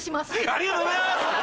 ありがとうございます！